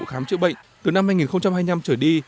khám chữa bệnh từ năm hai nghìn hai mươi năm trở đi